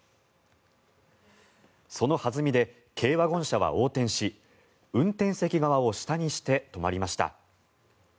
そのはずみで軽ワゴン車は横転し運転席側を下にして止まりました。